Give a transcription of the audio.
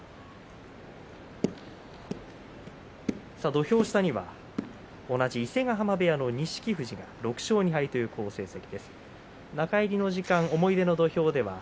土俵下には同じ伊勢ヶ濱部屋の錦富士６勝２敗の好成績。